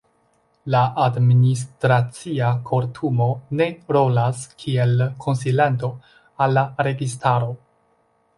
La Administracia Kortumo ne rolas kiel konsilanto al la registaro.